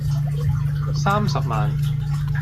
三十萬